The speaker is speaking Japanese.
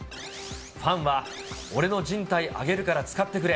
ファンは、俺のじん帯あげるから使ってくれ。